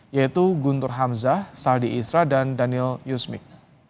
yaitu guntur hamzah saldi isra dan daniel yusmik